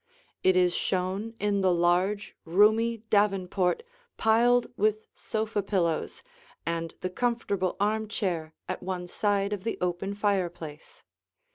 It is shown in the large, roomy davenport piled with sofa pillows and the comfortable armchair at one side of the open fireplace.